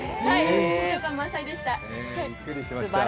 緊張感満載でした。